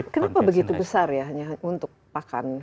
kenapa begitu besar ya hanya untuk pakan